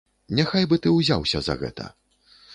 Няхай бы ты ўзяўся за гэта.